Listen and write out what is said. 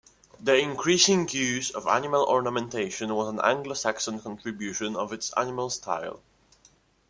The increasing use of animal ornamentation was an Anglo-Saxon contribution of its animal style.